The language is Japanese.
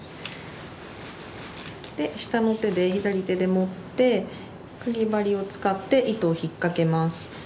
で下の手で左手で持ってかぎ針を使って糸を引っかけます。